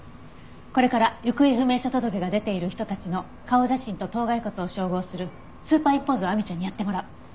これから行方不明者届が出ている人たちの顔写真と頭蓋骨を照合するスーパーインポーズを亜美ちゃんにやってもらう。